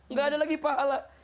gak ada lagi pahala